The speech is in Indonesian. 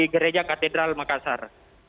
gereja katedral makassar